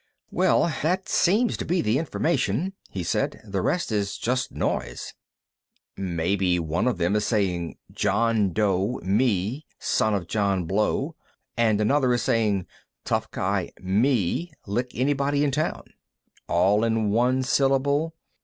"Well, that seems to be the information," he said. "The rest is just noise." "Maybe one of them is saying, 'John Doe, me, son of Joe Blow,' and another is saying, 'Tough guy, me; lick anybody in town.'" "All in one syllable?"